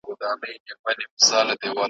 زموږ بچي په سل په زر روپۍ خرڅیږي `